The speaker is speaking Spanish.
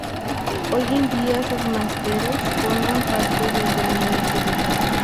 Hoy en día sus másteres forman parte del dominio público.